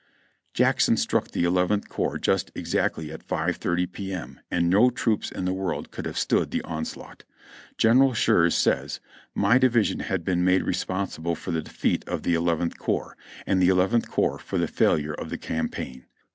Jackson struck the Eleventh Corps just exactly at 5.30 P. M. and no troops in the world could have stood the onslaught. General Schurz says : "My division has been made responsible for the defeat of the Eleventh Corps, and the Eleventh Corps for the failure of the campaign.